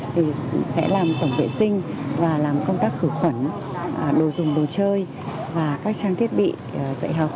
thì sẽ làm tổng vệ sinh và làm công tác khử khuẩn đồ dùng đồ chơi và các trang thiết bị dạy học